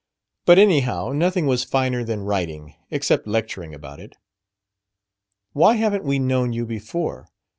But, anyhow, nothing was finer than "writing" except lecturing about it. "Why haven't we known you before?"